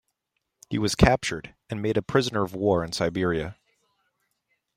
He was captured and made a prisoner of war in Siberia.